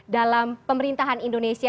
dalam pemerintahan indonesia